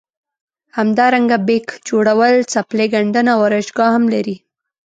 همدارنګه بیک جوړول څپلۍ ګنډنه او ارایشګاه هم لري.